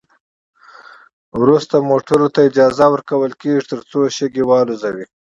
وروسته موټرو ته اجازه ورکول کیږي ترڅو شګې والوزوي